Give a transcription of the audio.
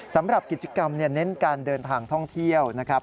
สำหรับกิจกรรมเน้นการเดินทางท่องเที่ยวนะครับ